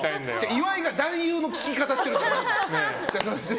岩井が男優の聞き方してる。